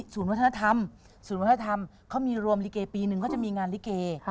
สวทธัษณฑ์ทำเขามีรวมลิเคปีหนึ่งเขาจะมีงานลิเค